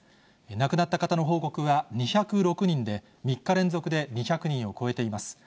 亡くなった方の報告は２０６人で、３日連続で２００人を超えています。